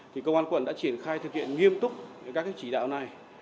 thì công an quận đã triển khai thực hiện nghiêm túc các chỉ đạo này